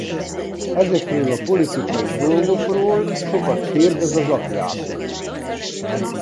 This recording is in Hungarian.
Ezekről a politikai dolgokról sokat kérdez az apjától.